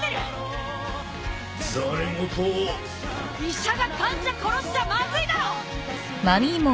医者が患者殺しちゃまずいだろ！